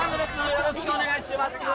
よろしくお願いします